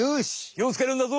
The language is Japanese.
きをつけるんだぞ！